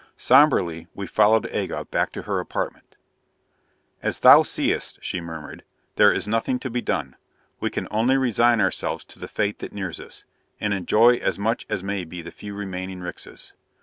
Somberly we followed Aga back to her apartment. "As thou seest," she murmured, "there is nothing to be done. We can only resign ourselves to the fate that nears us, and enjoy as much as may be the few remaining rixas...."